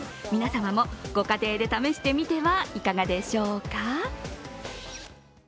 皆様もご家庭で試してみてはいかがでしょうか。